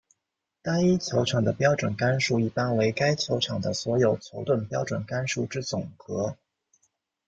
单一球场的标准杆数一般为该球场的所有球洞标准杆数之总和。